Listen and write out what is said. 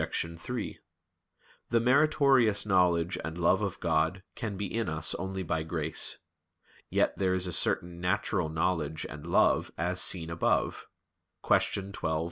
3: The meritorious knowledge and love of God can be in us only by grace. Yet there is a certain natural knowledge and love as seen above (Q. 12, A.